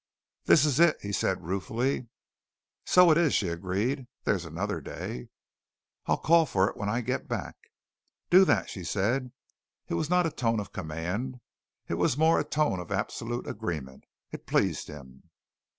"This is it," he said ruefully. "So it is," she agreed. "There's another day." "I'll call for it when I get back." "Do that," she said. It was not a tone of command. It was more a tone of absolute agreement. It pleased him.